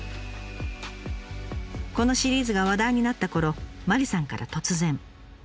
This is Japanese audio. このシリーズが話題になったころ麻里さんから突然。